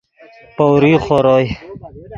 پؤریغ خور اوئے